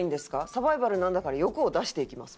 サバイバルなんだから欲を出していきます！